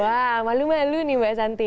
wah malu malu nih mbak santi